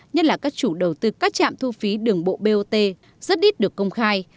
nhất là các chủ đầu tư các trạm thu phí đường bộ bot rất ít được công khai